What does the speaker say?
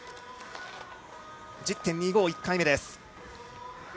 １０．２５、１回目です。